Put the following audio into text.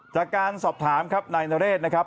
จากการสอบถามครับนายนเรศนะครับ